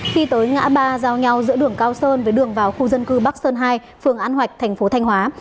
khi tới ngã ba giao nhau giữa đường cao sơn với đường vào khu dân cư bắc sơn hai phường an hoạch thành phố thanh hóa